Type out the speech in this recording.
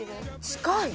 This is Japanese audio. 近い？